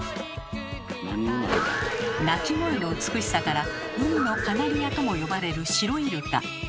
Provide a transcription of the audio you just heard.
鳴き声の美しさから「海のカナリア」とも呼ばれるシロイルカ。